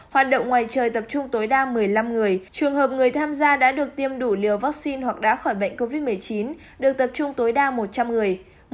hoạt động ngoài trời tập trung tối đa một mươi năm người trường hợp người tham gia đã được tiêm đủ liều vaccine hoặc đã khỏi bệnh covid một mươi chín được tập trung tối đa một trăm linh người